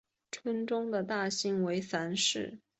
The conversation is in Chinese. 村中的大姓为樊氏。